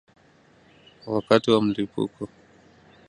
Wakati wa mlipuko